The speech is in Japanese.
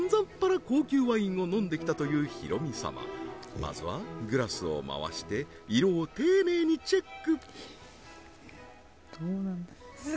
まずはグラスを回して色を丁寧にチェックどうなんだ？